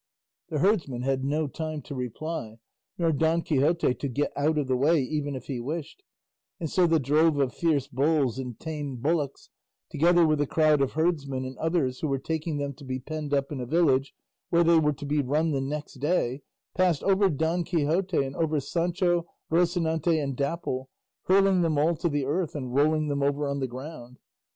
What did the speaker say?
The herdsman had no time to reply, nor Don Quixote to get out of the way even if he wished; and so the drove of fierce bulls and tame bullocks, together with the crowd of herdsmen and others who were taking them to be penned up in a village where they were to be run the next day, passed over Don Quixote and over Sancho, Rocinante and Dapple, hurling them all to the earth and rolling them over on the ground.